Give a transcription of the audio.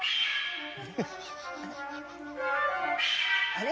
あれ？